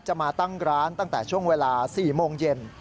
มาตั้งร้านตั้งแต่ช่วงเวลา๔โมงเย็น